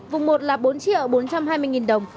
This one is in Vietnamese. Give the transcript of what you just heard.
vùng một là bốn bốn trăm hai mươi đồng